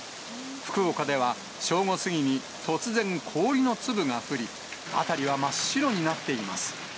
福岡では正午過ぎに、突然、氷の粒が降り、辺りは真っ白になっています。